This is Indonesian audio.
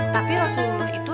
tapi rasulullah itu